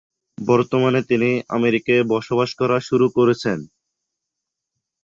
বর্তমানে তিনি আমেরিকায় বসবাস করা শুরু করেছেন।